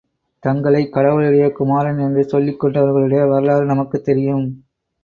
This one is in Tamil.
தங்களைக் கடவுளுடைய குமாரன் என்று சொல்லிக் கொண்டவர்களுடைய வரலாறு நமக்குத் தெரியும்.